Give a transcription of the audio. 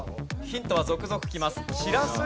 ヒントは続々来ます。